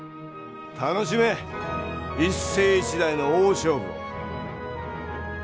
楽しめ一世一代の大勝負を！